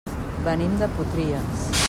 Venim de Potries.